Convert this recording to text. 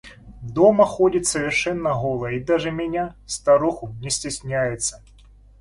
Дома ходит совершенно голой и даже меня, старуху, не стесняется.